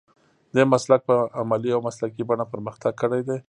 دې مسلک په عملي او مسلکي بڼه پرمختګ کړی دی.